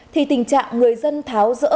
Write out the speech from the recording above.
thì tình trạng người dân tháo rỡ